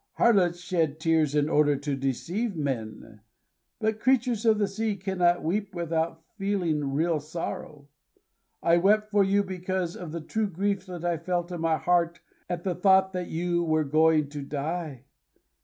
Harlots shed tears in order to deceive men; but creatures of the sea cannot weep without feeling real sorrow. I wept for you because of the true grief that I felt in my heart at the thought that you were going to die.